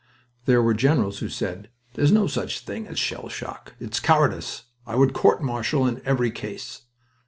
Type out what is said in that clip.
There were generals who said: "There is no such thing as shell shock. It is cowardice. I would court martial in every case."